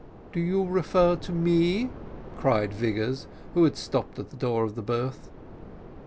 "Do you refer to me?" cried Vigors, who had stopped at the door of the berth.